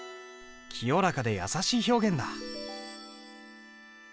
清らかで優しい表現だ。